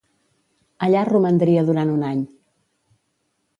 Allà romandria durant un any.